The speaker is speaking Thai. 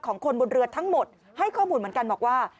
คนบนเรือทั้งหมดให้ข้อมูลเหมือนกันบอกว่า